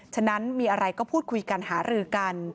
ฉะนั้นมีอะไรก็พูดคุยกันหารือกัน